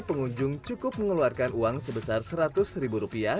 pengunjung cukup mengeluarkan uang sebesar seratus ribu rupiah